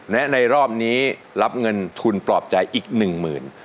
และในรอบนี้รับเงินทุนปลอบใจอีก๑๐๐๐๐บาท